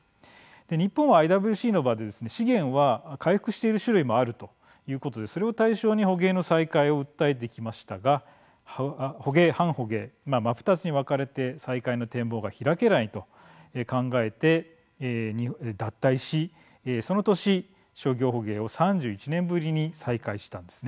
日本はＩＷＣの場で資源は回復している種類もあるということで、それを対象に捕鯨の再開を訴えてきましたが捕鯨・反捕鯨真っ二つに分かれて再開の展望が開けないと考えて脱退しその年、商業捕鯨を３１年ぶりに再開したんです。